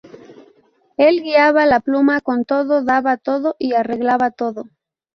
Él guiaba la pluma con todo, daba todo y arreglaba todo.